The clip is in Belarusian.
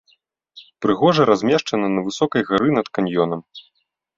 Прыгожа размешчана на высокай гары над каньёнам.